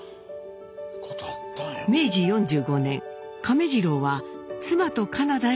明治４５年亀治郎は妻とカナダへ移住。